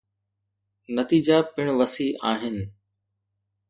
نتيجا پڻ وسيع آهن